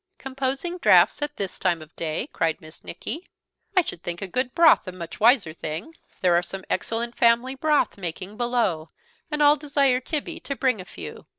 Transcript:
"Composing draughts at this time of day!" cried Miss Nicky; "I should think a little good broth a much wiser thing. There are some excellent family broth making below, and I'll desire Tibby to bring a few."